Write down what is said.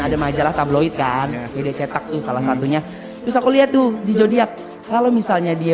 ada majalah tabloid kan media cetak tuh salah satunya terus aku lihat tuh di jodia kalau misalnya dia